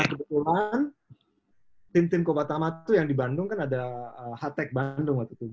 kebetulan tim tim koba tama tuh yang di bandung kan ada htac bandung waktu itu